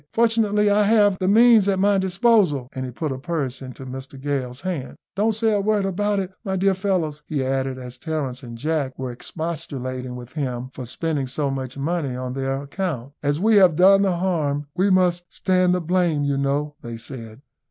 Fortunately, I have the means at my disposal;" and he put a purse into Mr Gale's hand. "Don't say a word about it, my dear fellows," he added, as Terence and Jack were expostulating with him for spending so much money on their account. "As we have done the harm, we must stand the blame, you know," they said.